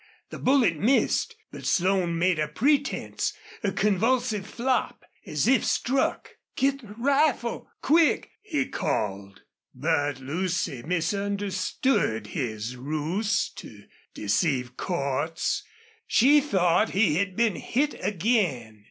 The bullet missed, but Slone made a pretense, a convulsive flop, as if struck. "Get the rifle! Quick!" he called. But Lucy misunderstood his ruse to deceive Cordts. She thought he had been hit again.